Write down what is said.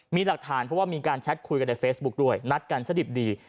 มีหลักฐานเพราะว่ามีการแชทคุยกันในเฟซบุ๊คด้วยนัดกันซะดิบดี